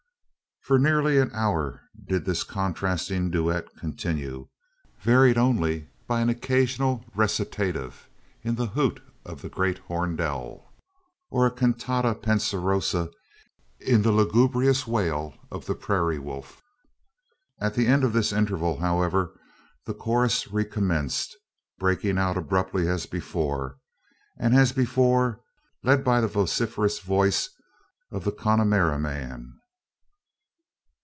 For nearly an hour did this contrasting duet continue, varied only by an occasional recitative in the hoot of the great horned owl, or a cantata penserosa in the lugubrious wail of the prairie wolf. At the end of this interval, however, the chorus recommenced, breaking out abruptly as before, and as before led by the vociferous voice of the Connemara man.